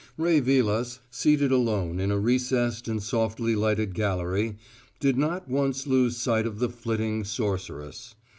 Ray Vilas, seated alone in a recessed and softly lighted gallery, did not once lose sight of the flitting sorceress.